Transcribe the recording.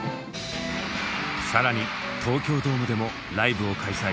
更に東京ドームでもライブを開催。